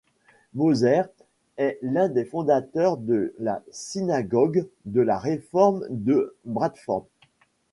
Moser est l'un des fondateurs de la synagogue de la réforme de Bradford.